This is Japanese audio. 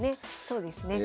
そうですね。